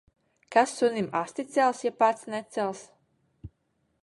Kas sunim asti cels, ja pats necels.